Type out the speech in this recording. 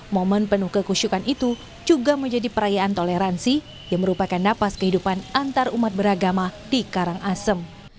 momen penuh kehusyukan itu juga menjadi perayaan toleransi yang merupakan napas kehidupan antar umat beragama di karang asem